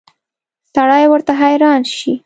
سړی ورته حیران شي.